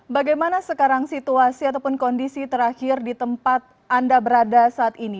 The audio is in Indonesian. bagaimana sekarang situasi ataupun kondisi terakhir di tempat anda berada saat ini